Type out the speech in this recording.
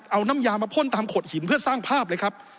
เอาน้ำยามาพ่นตามขดหินเพื่อสร้างภาพเลยครับ